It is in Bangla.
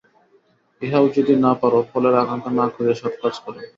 ইহাও যদি না পার, ফলের আকাঙ্ক্ষা না করিয়া সৎ কাজ কর।